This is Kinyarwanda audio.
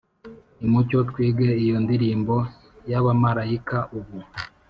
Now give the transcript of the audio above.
nimucyo twige iyo ndirimbo y’abamarayika ubu,